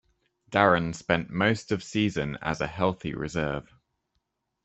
Darren spent most of season as a healthy reserve.